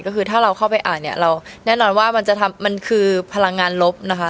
ก็คือถ้าเราเข้าไปอ่านเนี่ยแน่นอนว่ามันคือพลังงานลบนะคะ